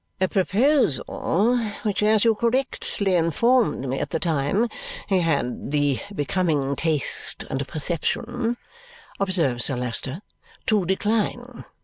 "A proposal which, as you correctly informed me at the time, he had the becoming taste and perception," observes Sir Leicester, "to decline.